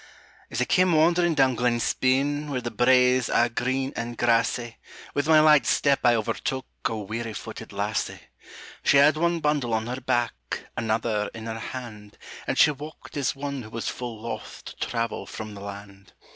As I came wandering down Glen Spean, Where the braes are green and grassy, With my light step I overtook A weary footed lassie. She had one bundle on her back, Another in her hand, And she walked as one who was full loath To travel from the land.